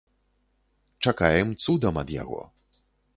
Чакаем цудам ад яго.